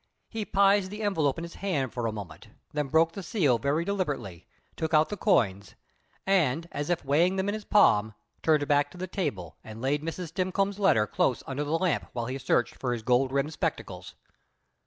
He peised the envelope in his hand for a moment, then broke the seal very deliberately, took out the coins, and, as if weighing them in his palm, turned back to the table and laid Mrs. Stimcoe's letter close under the lamp while he searched for his gold rimmed spectacles.